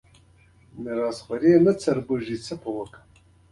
د پېړۍ منځ لسیزو ادبیات وو